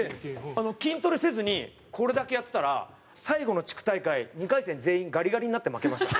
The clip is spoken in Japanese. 筋トレせずにこれだけやってたら最後の地区大会２回戦全員ガリガリになった？